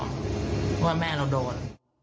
เพราะว่าแม่เราโดน